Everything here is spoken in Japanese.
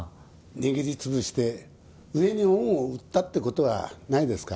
握り潰して上に恩を売ったって事はないですか？